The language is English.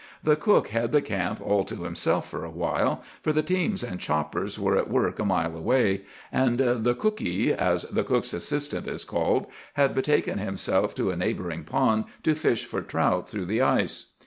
The cook had the camp all to himself for a while; for the teams and choppers were at work a mile away, and the 'cookee,' as the cook's assistant is called, had betaken himself to a neighboring pond to fish for trout through the ice.